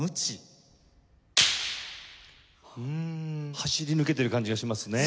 走り抜けてる感じがしますね。